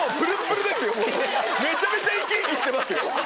めちゃめちゃ生き生きしてますよ。